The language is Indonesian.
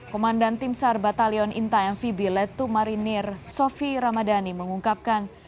komandan tim selam batalion intayam vb letu marinir sofi ramadhani mengucapkan